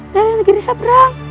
dari negeri seberang